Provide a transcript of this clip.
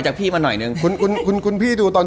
จากพี่มาหน่อยนึงคุณคุณคุณคุณคุณพี่ดูตอน